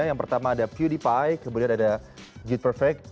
yang pertama ada pewdiepie kemudian ada geek perfect